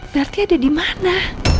berarti ada di mana